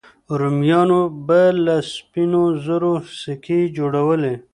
رومیانو به له سپینو زرو سکې جوړولې